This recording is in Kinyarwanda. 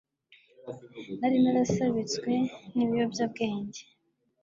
nari narasabitswe n ibiyobyabwenge